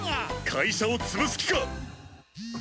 会社を潰す気か！